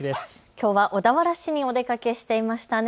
きょうは小田原市にお出かけしていましたね。